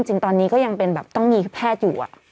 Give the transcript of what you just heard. จริงตอนนี้ก็ยังเป็นแบบต้องมีแพทย์อยู่